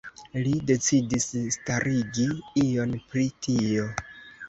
Li decidis starigi ion pri tio.